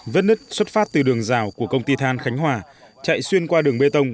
vết nứt xuất phát từ đường rào của công ty than khánh hòa chạy xuyên qua đường bê tông